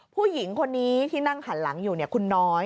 ผู้หญิงคนนี้ที่นั่งหันหลังอยู่คุณน้อย